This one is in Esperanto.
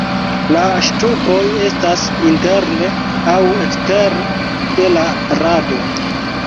La ŝtupoj estas interne aŭ ekstere de la rado.